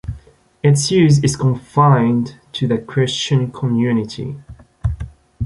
Its use is confined to the Christian community.